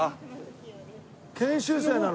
研修生なの？